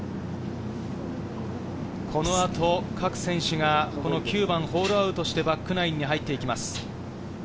この後、各選手がこの９番、ホールアウトして、バックナインに入っていきます。